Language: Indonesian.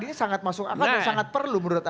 ini sangat masuk akal dan sangat perlu menurut anda